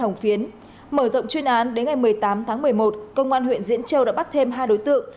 hồng phiến mở rộng chuyên án đến ngày một mươi tám tháng một mươi một công an huyện diễn châu đã bắt thêm hai đối tượng